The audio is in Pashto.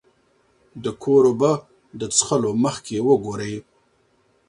د کور اوبه د څښلو مخکې وګورئ.